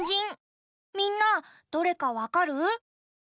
みんなどれかわかる？